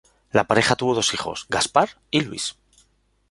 La pareja tuvo dos hijos: Gaspar y Luis.